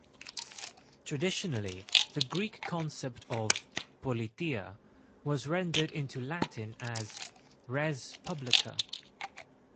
Traditionally, the Greek concept of "politeia" was rendered into Latin as res publica.